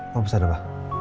mau pesan apa